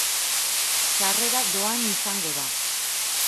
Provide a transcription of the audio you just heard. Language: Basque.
Sarrera doan izango da.